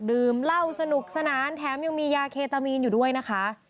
ดื่มเหล้าสนุกสนานแถมยังมียาเคตามีนอยู่ด้วยนะคะ